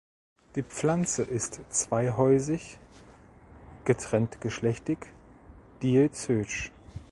Die Pflanze ist zweihäusig getrenntgeschlechtig (diözisch).